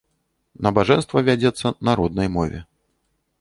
Набажэнства вядзецца на роднай мове.